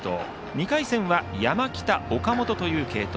２回戦は山北、岡本という継投。